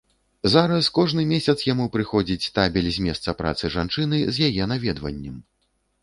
Зараз кожны месяц яму прыходзіць табель з месца працы жанчыны з яе наведваннем.